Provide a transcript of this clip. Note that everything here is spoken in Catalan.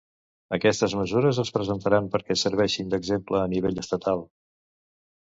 Aquestes mesures es presentaran perquè serveixin d‟exemple a nivell estatal.